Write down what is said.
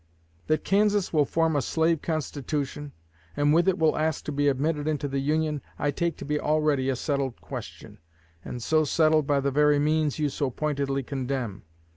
That Kansas will form a slave constitution, and with it will ask to be admitted into the Union, I take to be already a settled question, and so settled by the very means you so pointedly condemn.